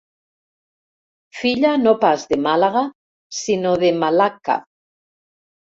Filla no pas de Màlaga sinó de Malacca.